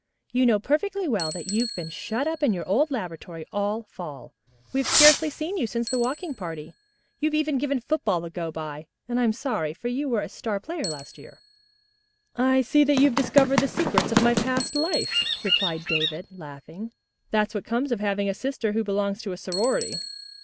"You know perfectly well that you've been shut up in your old laboratory all fall. We have scarcely seen you since the walking party. You have even given football the go by, and I'm so sorry, for you were a star player last year." "I see you have discovered the secrets of my past life," replied David, laughing. "That's what comes of having a sister who belongs to a sorority.